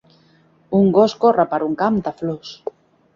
Un gos corre per un camp de flors.